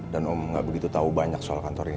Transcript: dan om enggak begitu tahu banyak soal kantor ini